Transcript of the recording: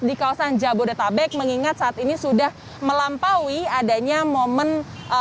di kawasan jabodetabek mengingat saat ini sudah melampaui adanya momen arus balik lebaran begitu